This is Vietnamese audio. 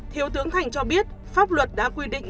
thiếu tướng thành cho biết pháp luật đã quy định